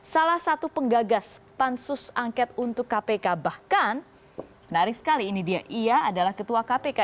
salah satu penggagas pansus angket untuk kpk bahkan menarik sekali ini dia ia adalah ketua kpk